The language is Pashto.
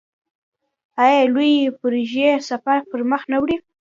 آیا لویې پروژې سپاه پرمخ نه وړي؟